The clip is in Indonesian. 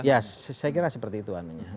ya saya kira seperti itu anunya